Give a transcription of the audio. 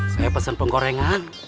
saya pesen penggorengan